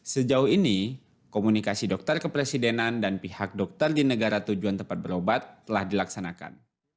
sejauh ini komunikasi dokter kepresidenan dan pihak dokter di negara tujuan tempat berobat telah dilaksanakan